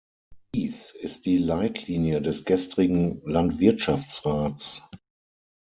Dies ist die Leitlinie des gestrigen Landwirtschaftsrats.